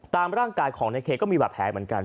ตามร่างกายของในเคก็มีบาดแผลเหมือนกัน